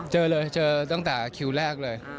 เจอเลยเจอตั้งแต่คิวแรกเลย